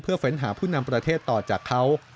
เฟ้นหาผู้นำประเทศต่อจากเขา